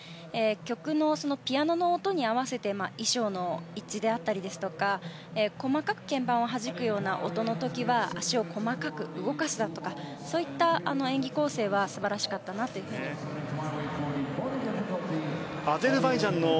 曲のピアノの音に合わせて衣装の一致であったりですとか細かく鍵盤をはじくような音の時は足を細かく動かすだとかそういった演技構成は素晴らしかったなと思います。